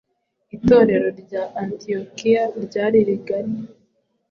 Itorero ry’i Antiyokiya ryari rigari